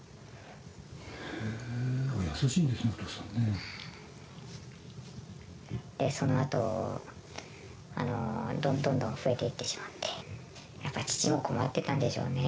優しいんですね、そのあと、どんどん増えていってしまって、やっぱり父も困ってたんでしょうね。